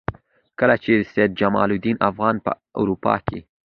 کله چې سید جمال الدین افغاني په اروپا کې.